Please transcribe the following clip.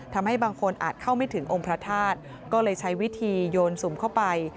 ทำให้บางคนอาจเข้าไม่ถึงองค์พระธาตุก็เลยใช้วิธีโยนสุมเข้าไป